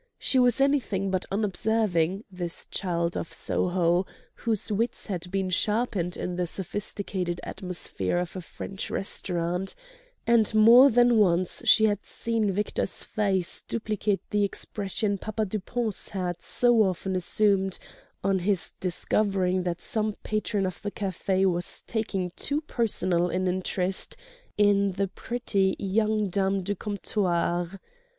She was anything but unobserving, this child of Soho, whose wits had been sharpened in the sophisticated atmosphere of a French restaurant; and more than once she had seen Victor's face duplicate the expression Papa Dupont's had so often assumed on his discovering that some patron of the café was taking too personal an interest in the pretty young dame du comptoir.